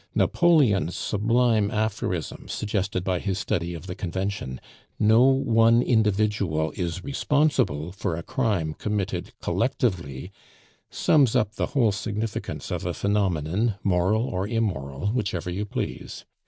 Napoleon's sublime aphorism, suggested by his study of the Convention, 'No one individual is responsible for a crime committed collectively,' sums up the whole significance of a phenomenon, moral or immoral, whichever you please.